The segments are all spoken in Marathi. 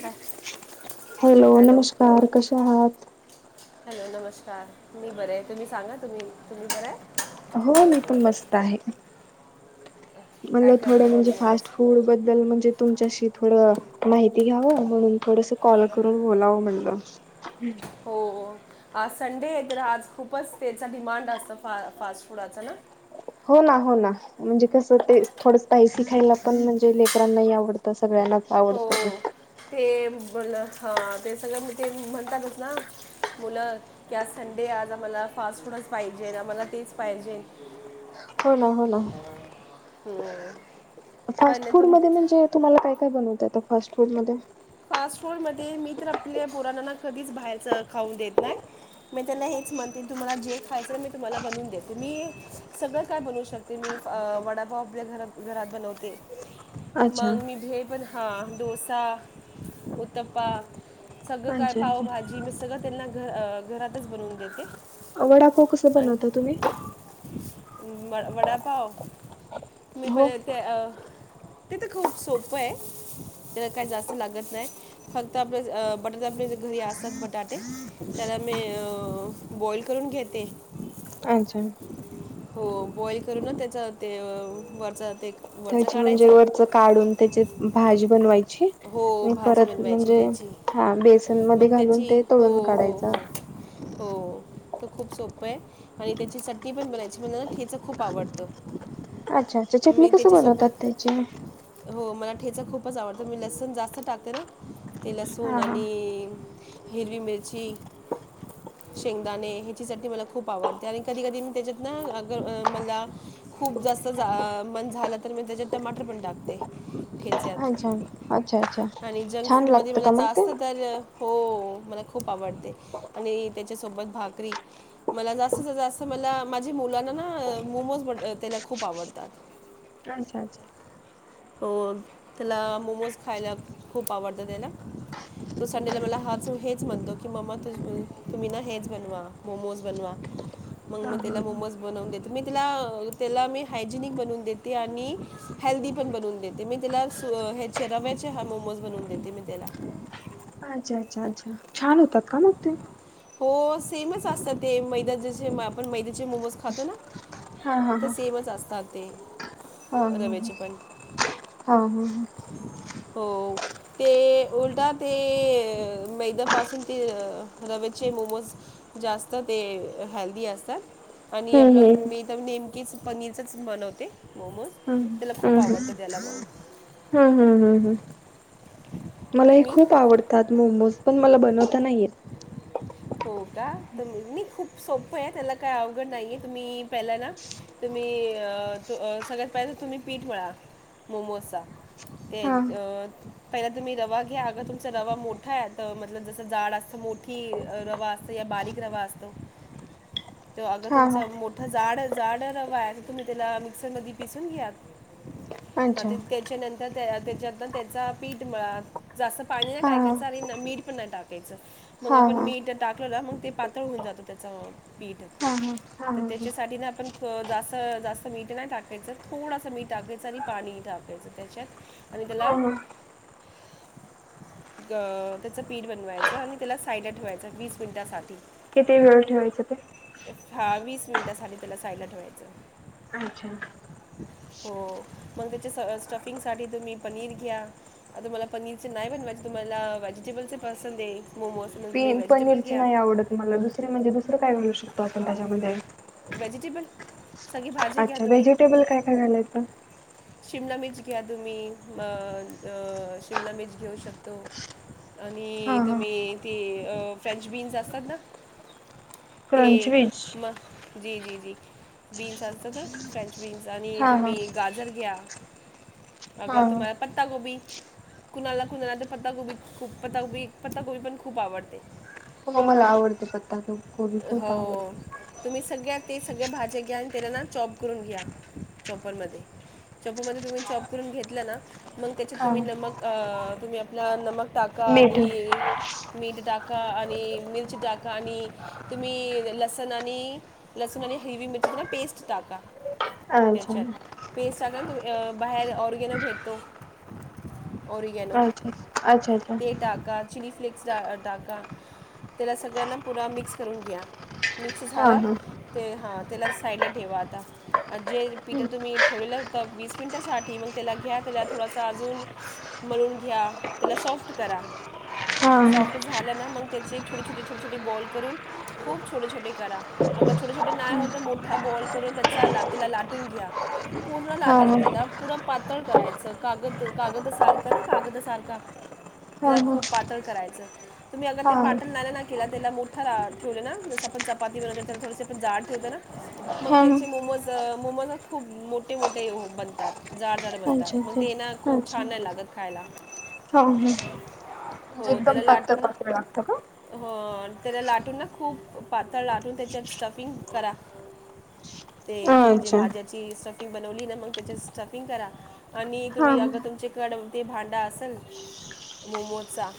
काय हॅलो! नमस्कार कसे आहात? हॅलो! नमस्कार मी बरे, तुम्ही सांगा तुम्ही तुम्ही बरेय? हो मी पण मस्त आहे. काय म्हणलं थोड करता म्हणजे, तुम्ही फास्ट आज फूड बद्दल म्हणजे तुमच्याशी थोडं माहिती घ्यावं. म्हणून- थोडस कॉल करून बोलावं म्हणलं. हुं- हो आज संडे आहे तर, आज खूपच त्याचा डिमांड असत फा- फास्ट फूडाचा ना! हो नां हो नां, म्हणजे कस ते थोडं स्पायसी खायला पण म्हणजे लेकरांनाही आवडत असत- सगळ्यांनाच हो आवडतो ना. ते बोल हां ते सगळं मिट ते म्हणतातच ना, मुलं की आज संडे आज आम्हाला फास्ट फूडच पाहिजे, आम्हाला तेच पाहिजे. हों ना हों ना, फास्ट पण फूड तुम मधे म्हणजे तुम्हाला काय- काय बनवता येत फास्ट फूड मध्ये फास्ट फूड मध्ये मी तर आपल्या पुराणांना कधीच बाहेरच खाऊन देत नाही मी त्यांना हेच म्हणते तुम्हाला जे खायचं मी तुम्हाला बनवून देते मी सगळं काय बनवू शकते मी वडापाव आपल्या घर घरात बनवते अच्छा मग ने भेळ पण हां डोसा उत्तप्पा सगळं काय अच्छा अच्छा पावभाजी मी सगळं त्यांना घर घरातच बनवून देते वडापाव कस आणि बनवता तुम्ही म वडा भाव मी प हो ते अ ते तर खूप सोप आहे तेला काय जास्त लागत नाही फक्त आपल्या अ बटाट आपल्या ज अ घरी असतात बटाटे त्याला मी अ बॉईल करून घेते. अच्छा हो बॉइल करून त्याचा ते वरचा ते वरचं त्याची म्हणजे काढायचं वरच काढून त्याची भाजी बनवायची? हो णि भाजी परत बनवायची म्हणजे त्याची हा बेसन मध्ये मग घालून त्याची ते हो तळून हो काढायचा. हो हो तो खूप सोपं आहे आणि त्याची चटणी पण बनायची मला ना ठेचा खूप आवडतं अच्छा अच्छा चटणी मी कशी त्याच्यासोबत बनवतात त्याची? ठेचा खूपच आवडतो मी लस ण जास्त टाकते ना ते हा लसूण हा आणि हिरवी मिरची शेंगदाणे ह्याची चटणी मला खूप आवडते आणि कधी कधी मी त्याच्यात ना अगर, मला अ खूप जास्त मन झालं तर मी त्याच्यात टमाटर पण टाकते. अच्छा ठेच्यात अच्छा. अच्छा आणि जंक छान फूड मध्ये लागतं मला का मग ते जास्त तर हो मला खूप आवडते आणि त्याच्यासोबत भाकरी मला जास्तत जास्त मला माझी मुलांना ना मोमोज ब त्याला खूप आवडतात. अच्छा अच्छा. हो त्याला मोमोज खायला खूप आवडतं त्याला तो संडेला मला हाच हेच म्हणतो की, मम्मा तुझी तुम्ही ना हेच बनवा मोमोज बनवा. मग हा मी हा त्याला मोमोज बनवून देते. मी तला त्याला मी हायजेनिक बनवून देते आणि हेल्दी पण बनून देते मी तेला सु ह्याचे रव्या चे ह मोमोज बनून देते मी त्याला. अच्छा अच्छा अच्छा छान होतात का मगं ते? हो सेमच असतात ते मैदा जसे आपण मैदयाचे मोमोज खातो ना. त सेमच असतात. ते. हम्म हम्म रव्याचे पण हम्म हम्म हम्म. हो ते उलटा ते मैदया पासून ते रवे चे मोमोज जास्त ते हेल्दी असतात आणि हम्म आपलं हम्म मी तर नेमकीेच पनीरचंच बनवते. मोमोज हम्म त्याला खूप हम्म हम्म आवडतं त्याला मग हम्म हम्म हम्म हम्म हम्म. मला ही तुम्ही खूप तुम आवडतात मोमोज पण मला बनवता नाही येत. हो का तुम नी खूप सोपं आहे त्याला काही अवघड नाहीये तुम्ही, पहिला ना तुम्ही अ सगळ्यात पहिला तुम्ही पीठ मळा, मोमोजचा ते हा अ पहिला तुम्ही रवा घ्या अगर तुमचा रवा मोठा आहे तर, मतलब जसं जाड असतं मोठी रवा असतो या बारीक रवा असतो तर, अगर अ हा तुमच हा मोठ जाड जाड रवा आहे तर, तुम्ही त्याला मिक्सर म पिसून घ्या. हां अच्छा ते त्याच्यानंतर त्यांच्यात न त्याचा पीठ मळा. जास्त पाणी नाही हा हा टाकायचं आणि मीठ पण नाही टाकायचं. हा मला पण हा मीठ टाकल ना मगं ते पातळ होऊन जातं त्याचं पीठ. हां हां हां तर हां त्याच्यासाठी ना आपण जास्त जास्त मीठ नाही टाकायचं थोडस मीठ टाकायचं आणि पाणी टाकायचं त्याच्यात आणि त्याला हा हा त्याच पीठ बनवायचं आणि त्याला सा साईड ला ठेवायचं वीस मिनिटासाठी. किती वेळ ठेवायचे ते? हां वीस मिनिटांसाठी त्याला साईड ला ठेवायचं. अच्छा. हो मग त्याच्या स स्टफिंगसाठी तुम्ही पनीर घ्या आता मला पनीरचे नाही बनवायचेे तुम्हाला व्हेजिटेबलचे पसंद येईल मोमोज मग तुम्ही [unintelligible] व्हेजिटेबल पनीरची घ्या नाही आवडत मला दुसर म्हणजे दुसरं काय घालू शकतो? [unintelligible] त्याच्यामध्ये वेजिटेबल. अच्छा व्हेजिटेबल काय काय घालायचं? शिमला मिर्च घ्या तुम्ही म अ शिमला मिर्च घेऊ शकतो. हा आणि हा तुम्ही ते अ फ्रेंच बीन्स असतात ना? ते क्रनच वे. म. जी जी जी बीन्स असतात ना फ्रेंच. बीन्स आणि हा हा तुम्ही गाजर घ्या. हा अगर हा तुम्हाला पत्ता गोभी कुणाला कुणाला ते पत्ताकोबी खूप पत्ताकोबी पत्ताकोबी पण खूप आवडते. हो मला आवडते पत्ता को कोबी खूप हो आवडते. तुम्ही सगळ्या ते सगळ्या भाज्या घ्या आणि त्याला ना चॉप करून घ्या चॉपर मधे चॉपर मधे तुम्ही चॉप करून घेतलं ना, मग त्याचेत हा तुम्ही नमक अ.. तुम्ही आपलं नमक टाका मीठ आणि मीठ टा का आणि मिरची टाका आणि तुम्ही लस सण आणि लसून आणि हरवी मिर्चीच ना पेस्ट टाका. अच्छा त्याच्यात पेस्ट अगर तुम्ही अ बाहेर ऑर्गेनो भेटतो. ऑर्गेनो अच्छा अच्छा अच्छा ते टाका चाली फ्लेक्स मिक्स डाळ टाका त्याला सगळ्यांना पुन्हा मिक्स करून घ्या. मिक्स हा झाला हा. ते हाल. त्याला साईडला ठेवा आता अन जे पिट तुम्ही ठेवलेलं होत वीस मिनिटासाठी मग त्याला घ्या त्याला थोडासा अजून मळून घ्या त्याला सॉफ्ट करा. हा हा सॉफ्ट झालं ना मग त्यांचे छोट छोट छोटे छोट बॉल करून खूप छो छोटे छोटे करा अगर छोटे छोटे नाही होत आहे मोठा बॉल करून त्याचा. त्याला लाटून घ्या पूर्ण हा हा लाटायचं त्याला पूरा पातळ करायचं कागद कागद सारखं ना कागद सारखा हा त्याला खूप पातळ करायचं. तुम्ही आगर हा ते हा पातळ लाटनार नाही तेला त्याला मोठाला ठेवलं ना जसं.. पण चपाती बनवले तर थोडसे आपण जाड ठेवतो ना मग हा त्याचे मोमोज त मोमोज खूप मोठे मोठे [inaudible] बनतात झाड मोठाले अच्छा बनतात म ते ना अच्छा खूप अच्छा छान नाही लागत खायला हो हो. म्हणजे हो एकदम त्याला पातळ लाटून ना पातळ लागतं का? हो त्याला लाटून ना खूप पातळ लाटून त्याच्यात स्टफिंग करा. ते तुम्ही जे अच्छा. भाज्याची सक् [inaudible] स्टफिंग बनवली ना मग त्याच्यात स्टफिंग करा. आणि हा तुम्ही. अगं तुमच्ये कड ते भांडा असल मोमोज चा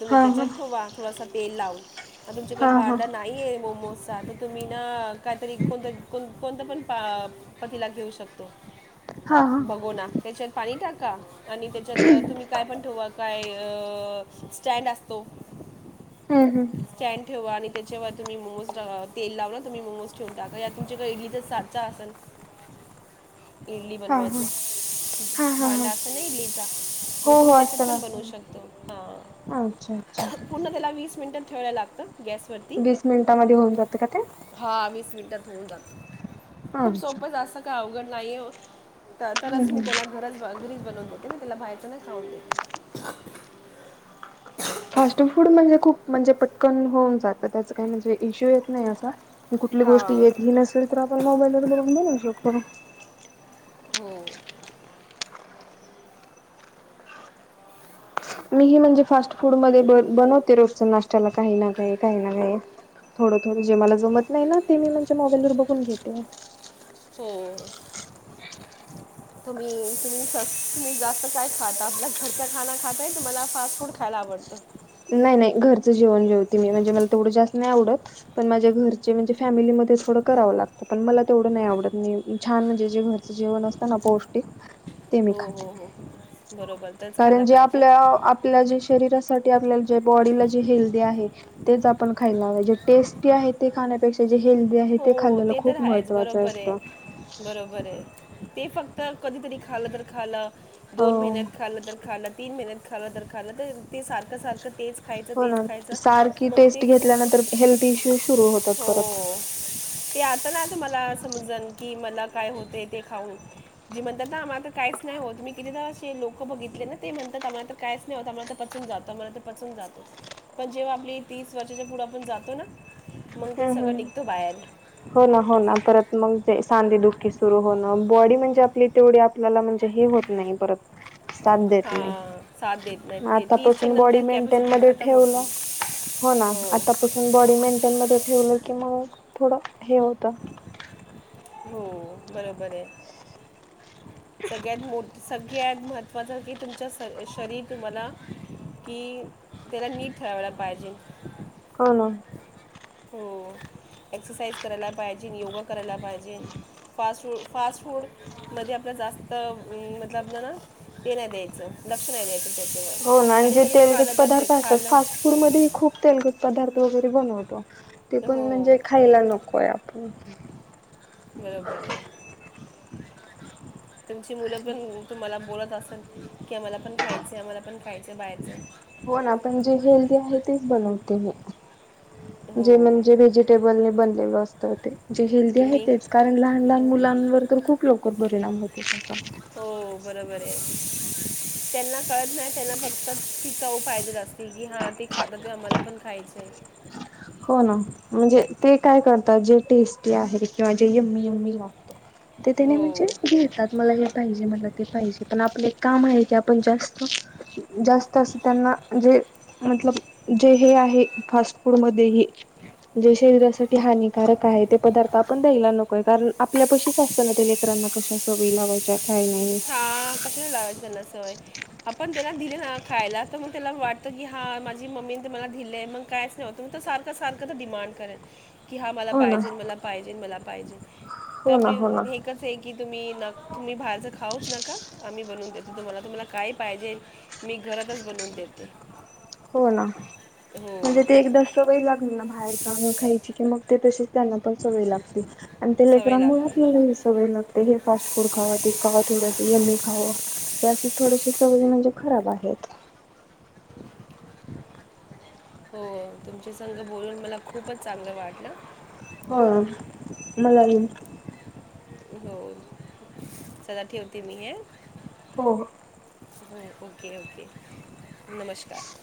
तुम्ही हा हा तेच्यात ठेवा. थोडसा तेल लाव आतून चिकट हा हा भांड ये मोमोज साठी तुम्ही ना काहीतरी कोण. कोणत पण पतीला घेऊ शकतो. हा हा. भगोना. त्याच्यात पाणी टाका आणि त्याच्यात तुम्ही काय पण ठेवा काय स्टँड असतो. हम्म हम्म स्टँड ठेवा. आणि त्याच्या वर तुम्ही मोमोज अ तेल लावा तुम्ही मोमोज ठेवून टाका या तुमच्याकडे इडली चा साचा असेल इडली हा बनवायच. हा हा हा भांड हा असत ना इडलीचा मग हो हो तुम्ही त्याच्यात असते ना पण असते बनवू ना. शकतो. अच्छा अच्छा. हा पूर्ण त्याला वीस वीस मिंट ठेवाय लागत. येस् वीस मिनिटामध्ये होऊन जातं का ते हा वीस मिनटात होऊन जात खूप अच्छा. सोपं जास्त का अवघड नाही नाही हो. हम्म दळतानाच मी हम्म. त्याला घराच बाजरीच बनवत होते मी त्याला बाहेरच नाही खाऊ देत फास्ट फूड म्हणजे खूप म्हणजे पटकन होऊन जातं त्याच काही म्हणजे इश्यू येत नाही असा कुठली गोष्टी हां येत ह नसेल तर आपण मोबाईलवरर बघून देल शोत हो मी ह म्हणजे फास्ट फूड म बनवते रोजच नाश्त चला काही ना काही काही ना काही थोडं थोडं जे मला जमत नाही ना ते मी म्हणजे मोबाईलवर बघून घेते हो तुम्ही तुम्ही स तुम्ही जास्त काय खात आपल्या घरचा खाना खाताय तुम्हाला फास्ट फूड खायला आवडतं नाही नाही घरचं जेवण जेवते मी म्हणजे मला तेवढं जास्त नाही आवडत पण माझ्या घरचे म्हणजे फॅमिलीमध्ये थोडं करावं लागतं पण मला तेवढं नाही आवडत मी छान म्हणजे जे घरचं जेवण असतं ना पौष्टिक ते मी हो हो खाते हो बरोबर तरच खायला कारण जे पाहिजे आपल्या आपल्या जे शरीरासाठी आपल्या ज बॉडीला जी हेल्दी आहे तेच आपण खायलाे जे टेस्टी आहे ते खाण्यापेक्षा जे हेल्दी आहे हो ते खाल्लेलं तर खूप आहेच महत्वाच बरोबर असत आहे बरोबर आहे ते फक्त कधीतरी खाल तर खालं दोन हो महिन्यात खाल्लं तर खाल्लं तीन महिन्यात खालं तर खालं ते ते सारखं सारखं तेच खायचं हो ना तेच खायचं सारखी मग ते टेस्ट घेतल्यानंतर हेल्थ इशू सुरू होतात परत हो ते आता ना आता मला समजण की मला काय होते ते खाऊन जे म्हणतात ना आम्हाला तर काहीच नाही होत मी किती तर असे लोक बघितले ना ते म्हणतात आम्हाला तर काहीच नाही होत आम्हाला तर पचून जातो आम्हाला तर पचून जातो पण जेव्हा आपली तीस वर्षाच्या पुढे आपण जातो ना मग ते हम्म सगळं हम्म. निघत तो बाहेर हो ना हो ना परत मग सांदीे दुखी सुरू होणं बॉडी म्हणजे आपली तेवढी आपल्याला म्हणजे हे होत नाही परत काम देत हा साथ देत नाहीत नाही ते तीसच्या आतापासून बॉडी नंतर मेंटेन कॅपॅसिटी मधे खतम ठेवन होती हो ना आतापासून बॉडी मेंटेन मधे ठेवन कि मग थोड हे होतं हो बरोबर आहे सगळ्यात मोठ सगळ्यात महत्वाच कि तुमच शर शरीर तुम्हाला कि त्याला नीट ठेवायला पाहिजे हो ना हो एक्ससाइज करायला पाहिजे नी योगा करायला पाहिजे म्हणजे फास्ट फूड फास्ट फूडमध्ये आपल्या जास्त मतलब आपलं ना हे नाही द्यायचं लक्ष नाही द्यायचं त्याच्यावर हो ना आणि जे कधीतरी तेलगट खाल्लं तर दे पदार्थ असतात फास्ट खाल्लं फूड मध्येही खूप तेलगट पदार्थ वगैरे बनवत ते पण हो म्हणजे खायला नकोय आपण हम् बरोबर आहे तुमची मुलं पण तुम्हाला बोलत असं की आम्हाला पण खायचं आम्हाला पण खायचं बाहेरचं हो ना पण जे हेल्दी आहे तेच बनवते मी जे हो म्हणजे व्हेजिटेबल ने बनलेल असत जे हेल्दीी आहे तुम्ही तेच कारण लहान लहान हो मुलांवर तर खूप लोकर परिणाम होते त्याचा हो बरोबर आहे त्यांना कळत नाही त्यांना फक्त तीचाऊ फायदा जास्ती की हा ते खात ते आम्हाला पण खायचंय हो ना म्हणजे ते काय करतात जे टेस्टी आहे किंवा जे यममी यममी ला तेने म्हणजे हो घेतात मला हे पाहिजे मला ते पाहिजे पण आपलं काम आहे की आपण जास्त जास्त अस त्यांना जे मल जे हे आहे फास्ट फूड म जे शरीरासाठी हानिकारक आहे ते पदार्थ आपण द्यायला नको कारण आपल्या पशीच असताना त्या लेकरांना कशा स वयी लावायच्या काय नाही हा क लावाजतानासय पण त्यांना दिले ना खायला तर मग त्याला वाटतं की हा माझी मम्मीने ते मला दिले मग काहीचव्हतं मी तर सारखं सारखं तर डिमांड करेल की हा मला हो ना पाहिजेल मला पाहिजेल मला पाहिजेल. हो ना हो ना ताबरीव एकच हे की तुम्ही न बाहेरचं खाहाऊस नका आम्ही बनवून देतो तुम्हाला, तुम्हाला काय पाहिजे मी घरातच बनवून देते. हो ना. हो म्हणजे ते एकदा सवय लागली ना बाहेरचा आणुन खायची की मग ते तशीच त्यांना पण सवय लागते आणि ते सवय लेकरांमुळे लागते आपल्याला ही सवय लागते हे फास्ट फूड खावा ते खावा थोडस हे यम्मी खावा ते अशी थोडशे तळून म्हणजे खराब आहेत. [inaudible] होय तुमचे संग बोलून मला खूपच चांगलं वाटलं. हो मला ही. हो चला ठेवते मी हे. हो. सफाय ओके ओके. नमश्कार